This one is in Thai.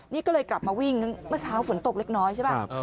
นี่ก็เลยกลับมาวิ่งเมื่อเช้าฝนตกเล็กน้อยใช่ป่ะ